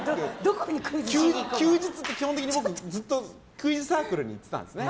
休日って基本的に僕クイズサークルに行ってたんですね